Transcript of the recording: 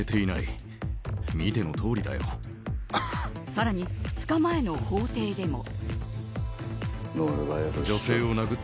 更に、２日前の法廷でも。